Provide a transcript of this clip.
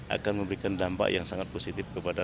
akan memberikan dampak yang sangat positif kepada